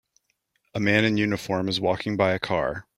A man in uniform is walking by a car.